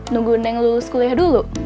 nunggu neng lulus kuliah dulu